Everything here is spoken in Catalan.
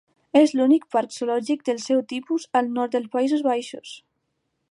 És l'únic parc zoològic del seu tipus al nord dels Països Baixos.